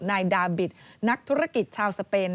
นายดาบิตนักธุรกิจชาวสเปน